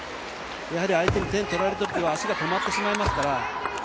相手に点を取られているときは、足が止まってしまいますから。